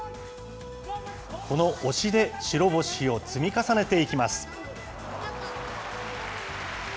この押しで白星を積み重ねていきます。